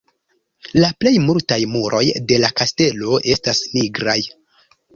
La plej multaj muroj de la kastelo estas nigraj.